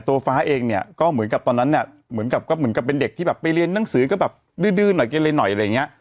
ฟ้าเองเนี่ยก็เหมือนกับตอนนั้นเนี่ยเหมือนกับก็เหมือนกับเป็นเด็กที่แบบไปเรียนหนังสือก็แบบดื้อหน่อยกินอะไรหน่อยอะไรอย่างเงี้ย